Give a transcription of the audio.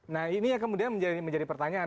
nah ini yang kemudian menjadi pertanyaan